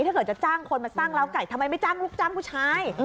ถ้าเกิดจะจ้างคนมาสร้างเล้าไก่ทำไมไม่จ้างลูกจ้างผู้ชาย